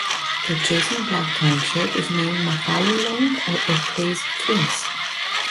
The adjacent black township is named Mafahlaneng, or "place of twins".